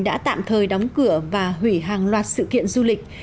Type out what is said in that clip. đã tạm thời đóng cửa và hủy hàng loạt sự kiện du lịch